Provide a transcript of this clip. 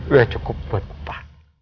udah cukup buat papa